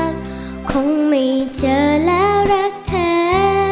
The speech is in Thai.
คงไม่เจอแล้วรักแท้